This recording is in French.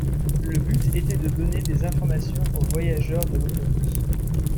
Le but était de donner des informations aux voyageurs de l'autoroute.